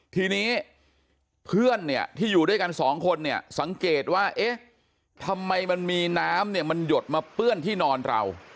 ทีนี้เพื่อนเนี่ยที่อยู่ด้วยกันสองคนเนี่ยสังเกตว่าเอ๊ะทำไมมันมีน้ำเนี่ยมันหยดมาเปื้อนที่นอนเรา